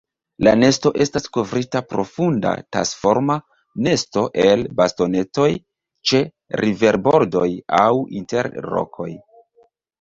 La nesto estas kovrita profunda tasforma nesto el bastonetoj ĉe riverbordoj aŭ inter rokoj.